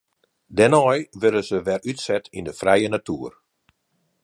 Dêrnei wurde se wer útset yn de frije natoer.